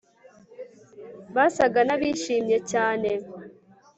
Basaga nabishimye cyane